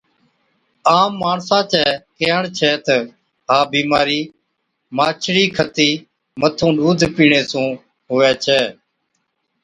عام ماڻسان چَي ڪيهڻ ڇَي تہ ها بِيمارِي ماڇڙِي کتِي مٿُون ڏُوڌ پِيڻي سُون هُوَي ڇَي۔